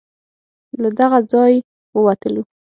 له دغه ځای ووتلو.